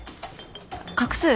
画数。